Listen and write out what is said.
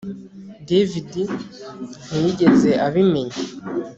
David ntiyigeze abimenya